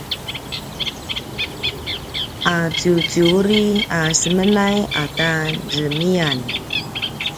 aciuciuri a semenay ata zemiyan!